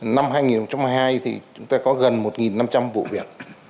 năm hai nghìn một mươi hai thì chúng ta có gần một năm trăm linh vụ việc